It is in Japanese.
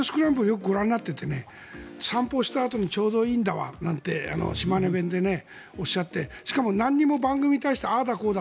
よくご覧になっていて散歩したあとにちょうどいいんだわなんて島根弁でおっしゃってしかも、なんにも番組に対してああだこうだ